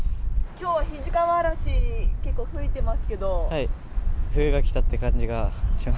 きょうは肱川あらし、結構吹いてますけど。